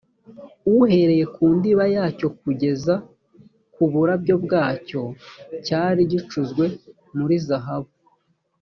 uhereye ku ndiba yacyo kugeza ku burabyo bwacyo cyari gicuzwe muri zahabu